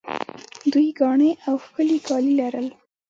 دوی ګاڼې او ښکلي کالي لرل